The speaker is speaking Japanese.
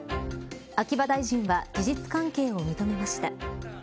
秋葉大臣は、事実関係を認めました。